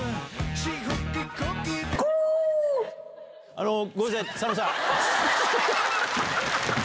あのごめんさない佐野さん。